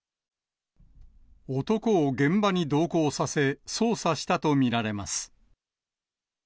男を現場に同行させ、捜査したと見られます。